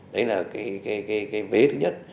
đấy là cái bế thứ nhất